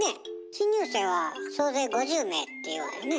新入生は「総勢５０名」って言うわよね。